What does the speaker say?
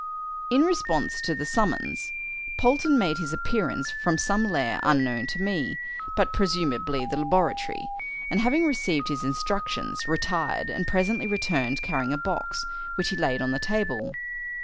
In response to the summons, Polton made his appearance from some lair unknown to me, but presumably the laboratory, and, having received his instructions, retired, and presently returned carrying a box, which he laid on the table.